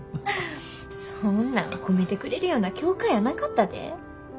そんなん褒めてくれるような教官やなかったで。